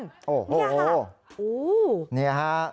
นี่ค่ะโอ้โฮนี่ค่ะโอ้โฮ